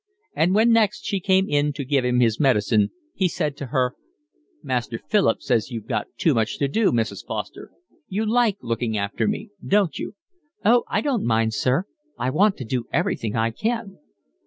And when next she came in to give him his medicine he said to her: "Master Philip says you've got too much to do, Mrs. Foster. You like looking after me, don't you?" "Oh, I don't mind, sir. I want to do everything I can."